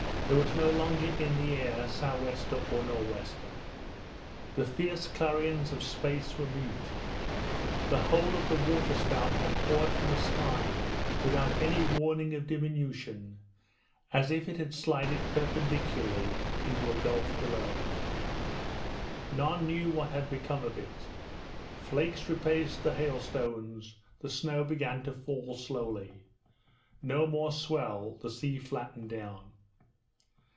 There was no longer in the air sou' wester or nor' wester. The fierce clarions of space were mute. The whole of the waterspout had poured from the sky without any warning of diminution, as if it had slided perpendicularly into a gulf beneath. None knew what had become of it; flakes replaced the hailstones, the snow began to fall slowly. No more swell: the sea flattened down.